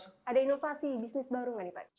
ada inovasi bisnis baru nggak nih pak